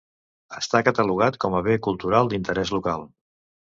Està catalogat com a bé cultural d'interès local.